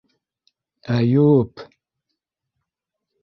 Әйү-ү-үп...